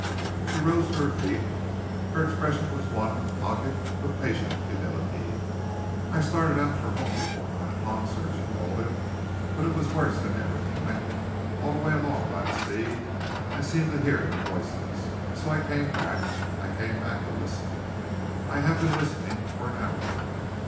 She rose to her feet. Her expression was one of dogged but patient humility. "I started for home before nine o'clock, sir," she told him, "but it was worse than ever to night. All the way along by the sea I seemed to hear their voices, so I came back. I came back to listen. I have been listening for an hour."